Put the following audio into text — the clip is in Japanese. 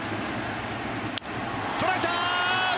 捉えた！